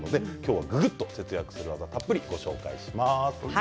ぐぐっと節約する技たっぷりご紹介します。